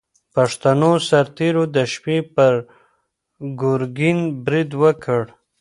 پښتنو سرتېرو د شپې پر ګورګین برید وکړ.